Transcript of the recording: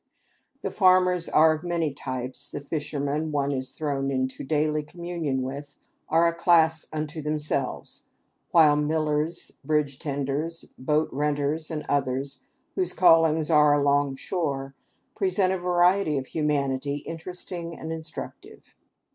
The farmers are of many types; the fishermen one is thrown into daily communion with are a class unto themselves; while millers, bridge tenders, boat renters, and others whose callings are along shore, present a variety of humanity interesting and instructive.